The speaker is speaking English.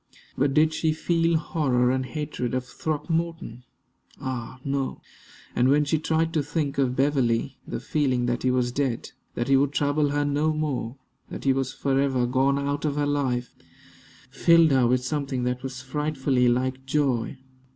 But did she feel horror and hatred of Throckmorton? Ah! no. And when she tried to think of Beverley, the feeling that he was dead; that he would trouble her no more; that he was forever gone out of her life, filled her with something that was frightfully like joy.